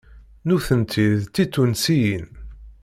Nutenti d Titunsiyin.